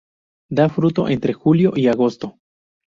Da fruto entre julio y agosto.